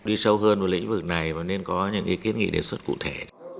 đi sâu hơn vào lĩnh vực này và nên có những kiến nghị đề xuất cụ thể